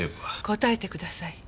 答えてください。